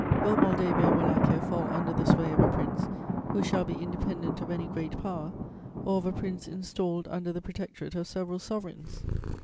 "Will Moldavia and Wallachia fall under the sway of a prince who shall be independent of any Great Power, or of a prince installed under the protectorate of several sovereigns?